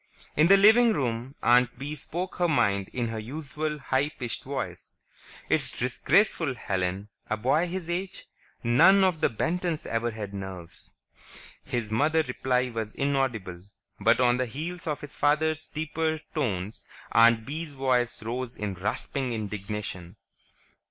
In the living room Aunt Bee spoke her mind in her usual, high pitched voice. "It's disgraceful, Helen. A boy his age.... None of the Bentons ever had nerves." His mother's reply was inaudible, but on the heels of his father's deeper tones, Aunt Bee's voice rose in rasping indignation.